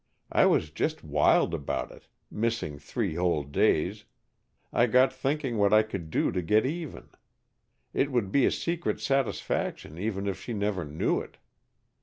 I was just wild about it, missing three whole days. I got thinking what I could do to get even, it would be a secret satisfaction even if she never knew it.